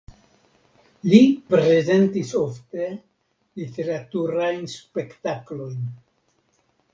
Li prezentis ofte literaturajn spektaklojn.